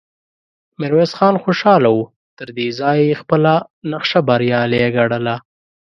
ميرويس خان خوشاله و، تر دې ځايه يې خپله نخشه بريالی ګڼله،